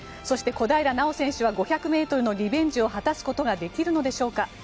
そして、小平奈緒選手は５００ｍのリベンジを果たすことはできるのでしょうか。